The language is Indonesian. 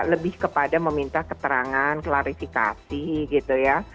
lebih kepada meminta keterangan klarifikasi gitu ya